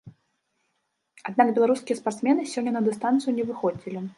Аднак беларускія спартсмены сёння на дыстанцыю не выходзілі.